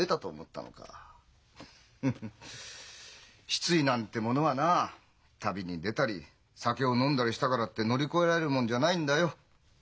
失意なんてものはな旅に出たり酒を飲んだりしたからって乗り越えられるもんじゃないんだよ。